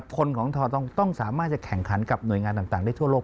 คนของทอต้องสามารถจะแข่งขันกับหน่วยงานต่างได้ทั่วโลก